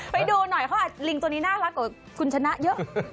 ไปดูหน่อยเขาอัดลิงตัวนี้น่ารักกว่าคุณชนะเยอะ